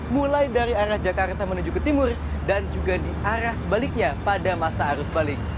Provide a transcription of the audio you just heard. mulai dari arah jakarta menuju ke timur dan juga di arah sebaliknya pada masa arus balik